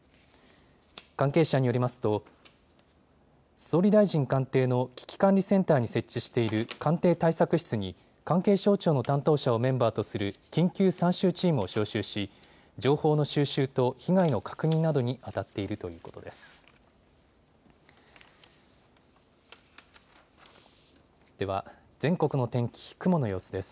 関係者によりますと総理大臣官邸の危機管理センターに設置している官邸対策室に関係省庁の担当者をメンバーとする緊急参集チームを招集し情報の収集と被害の確認などにあたっているということです。